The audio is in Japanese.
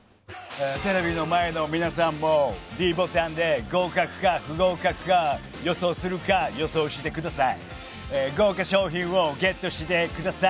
テレビの前の皆さんもｄボタンで合格か不合格か予想するか予想してください